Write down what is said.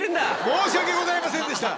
申し訳ございませんでした！